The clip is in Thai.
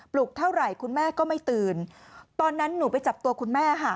ลุกเท่าไหร่คุณแม่ก็ไม่ตื่นตอนนั้นหนูไปจับตัวคุณแม่ค่ะ